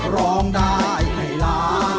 ร้องได้ให้ล้าน